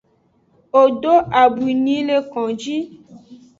Wo do abwi ni le konji.